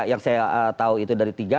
yang saya tahu itu dari tiga